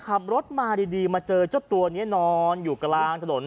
ขับรถมาดีมาเจอเจ้าตัวนี้นอนอยู่กลางถนน